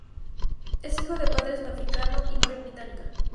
Es hijo de padre sudafricano y madre británica.